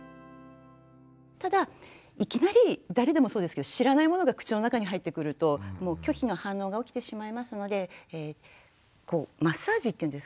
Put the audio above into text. ただいきなり誰でもそうですけど知らないものが口の中に入ってくると拒否の反応が起きてしまいますのでマッサージっていうんですかね